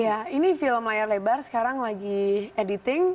iya ini film layar lebar sekarang lagi editing